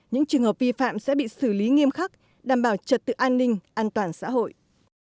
những trường hợp vi phạm sẽ bị xử lý nghiêm khắc đảm bảo trật tự an ninh an toàn xã hội